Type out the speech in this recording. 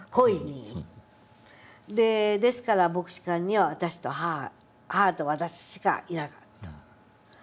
ですから牧師館には母と私しかいなかった。